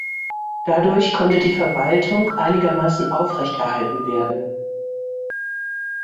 Dadurch konnte die Verwaltung einigermaßen aufrechterhalten werden.